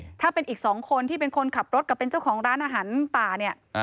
ถ้าเป็นอีกสองคนที่เป็นคนขับรถกับเป็นเจ้าของร้านอาหารป่าเนี่ย